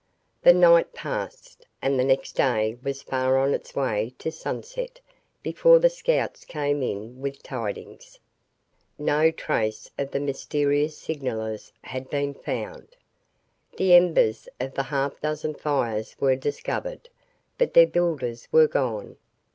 The night passed, and the next day was far on its way to sunset before the scouts came in with tidings. No trace of the mysterious signalers had been found. The embers of the half dozen fires were discovered, but their builders were gone.